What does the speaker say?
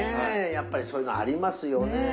やっぱりそういうのありますよね。